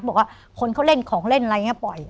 บอกว่าคนเขาเล่นของเล่นอะไรอย่างนี้ปล่อย